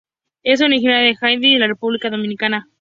Es originaria de Haití y de la República Dominicana.